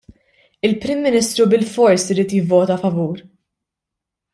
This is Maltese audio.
Il-Prim Ministru bilfors irid jivvota favur!